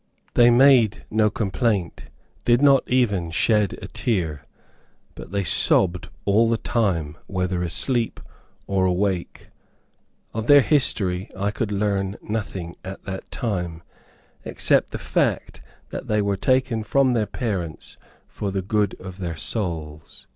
They made no complaint, did not even shed a tear, but they sobbed all the time, whether asleep or awake. Of their history, I could learn nothing at that time, except the fact, that they were taken from their parents for the good of their souls.